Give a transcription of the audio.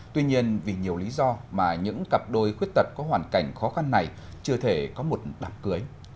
tuy nhiên vì nhiều lý do mà những cặp đôi khuyết tật có hoàn cảnh khó khăn này chưa thể có một đám cưới